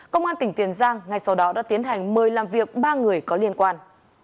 công an tỉnh tiền giang ngay sau đó đã tiến hành mời làm việc ba người có liên quan